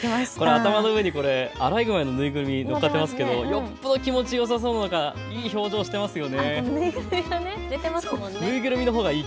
頭の上にアライグマの縫いぐるみのっかっていますけどよっぽど気持ちよさそうなのかいい表情をしていますよね。